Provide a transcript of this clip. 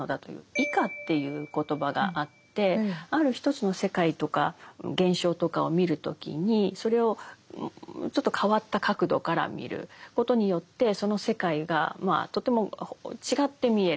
「異化」っていう言葉があってある一つの世界とか現象とかを見る時にそれをちょっと変わった角度から見ることによってその世界がとても違って見える。